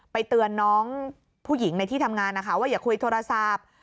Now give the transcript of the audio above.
เตือนน้องผู้หญิงในที่ทำงานนะคะว่าอย่าคุยโทรศัพท์